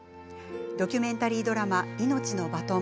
ドキュメンタリードラマ「命のバトン」